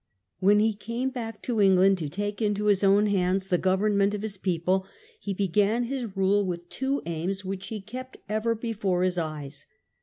When he came back to England to take into his own hands the government of his people, he began his rule with two aims, which he kept ever before his . eyes.